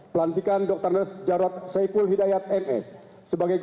kepada dr res jarod saipul hidayat ms